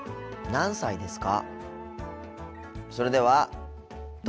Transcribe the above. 何歳ですか？